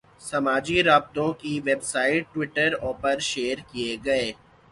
سماجی رابطوں کی ویب سائٹ ٹوئٹر پر شیئر کیے گئے